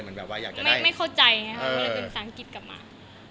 ไม่เข้าใจภาษาอังกฤษกลับมา